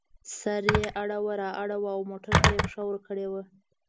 سر یې اړو را اړوو او موټر ته یې پښه ورکړې وه.